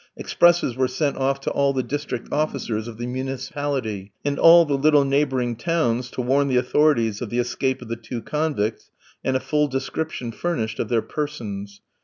Expresses were sent off to all the district offices of the municipality, and all the little neighbouring towns, to warn the authorities of the escape of the two convicts, and a full description furnished of their persons.